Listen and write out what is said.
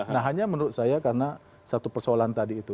nah hanya menurut saya karena satu persoalan tadi itu